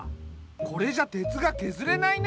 これじゃ鉄がけずれないね。